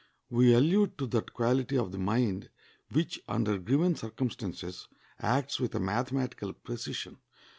We allude to that quality of the mind which under given circumstances acts with a mathematical precision.